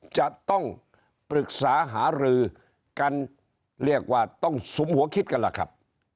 จะต้องปรึกษาหารือกันเรียกว่าต้องสุมหัวคิดกันล่ะครับ